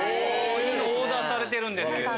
オーダーされてるんですけど。